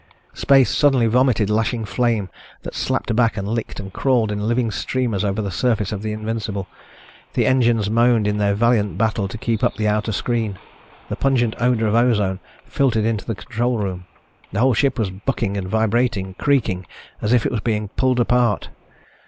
Space suddenly vomited lashing flame that slapped back and licked and crawled in living streamers over the surface of the Invincible. The engines moaned in their valiant battle to keep up the outer screen. The pungent odor of ozone filtered into the control room. The whole ship was bucking and vibrating, creaking, as if it were being pulled apart.